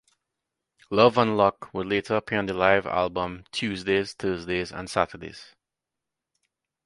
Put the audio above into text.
"Love and Luck" would later appear on the live album, "Tuesdays, Thursdays, and Saturdays".